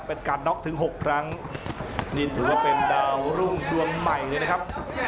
เป็นการน็อกถึงหกครั้งนี่ถือว่าเป็นดาวรุ่งดวงใหม่เลยนะครับ